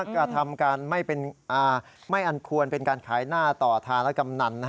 กระทำการไม่อันควรเป็นการขายหน้าต่อธารกำนัน